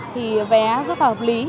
thì vé rất là hợp lý